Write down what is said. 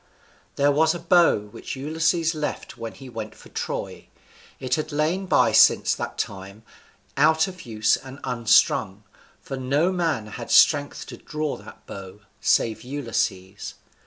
There was a bow which Ulysses left when he went for Troy. It had lain by since that time, out of use and unstrung, for no man had strength to draw that bow, save Ulysses.